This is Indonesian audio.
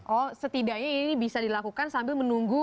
oh setidaknya ini bisa dilakukan sambil menunggu